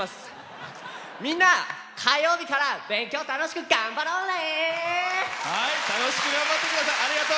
みんな火曜日から勉強、楽しく頑張ろうね！